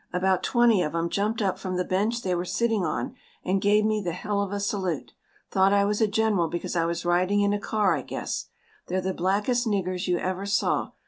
About twenty of 'em jumped up from the bench they were sitting on and gave me the hell of a salute. Thought I was a general because I was riding in a car, I guess. They're the blackest niggers you ever saw.